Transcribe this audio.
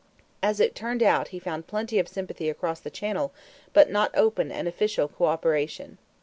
As it turned out he found plenty of sympathy across the Channel but not open and official coöperation.